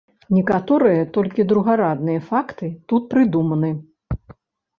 Некаторыя толькі другарадныя факты тут прыдуманы.